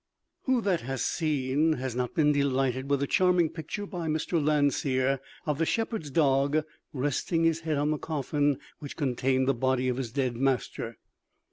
Who that has seen has not been delighted with the charming picture by Mr. Landseer of the shepherd's dog, resting his head on the coffin which contained the body of his dead master!